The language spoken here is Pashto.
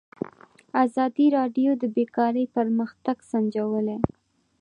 ازادي راډیو د بیکاري پرمختګ سنجولی.